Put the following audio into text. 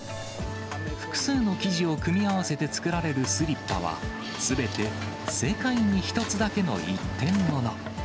複数の生地を組み合わせて作られるスリッパは、すべて、世界に一つだけの一点もの。